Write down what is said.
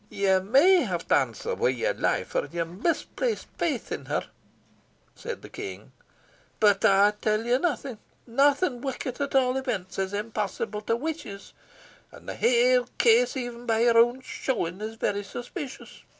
"You may have to answer wi' your life for your misplaced faith in her," said the King; "but I tell you naething naething wicked, at all events is impossible to witches, and the haill case, even by your own showin', is very suspicious.